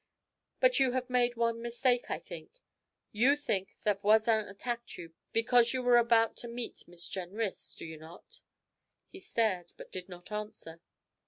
But you have made one mistake, I think. You think that Voisin attacked you because you were about to meet Miss Jenrys, do you not?' He stared, but did not answer.